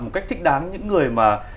một cách thích đáng những người mà